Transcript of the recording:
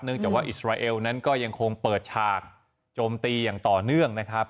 จากว่าอิสราเอลนั้นก็ยังคงเปิดฉากโจมตีอย่างต่อเนื่องนะครับ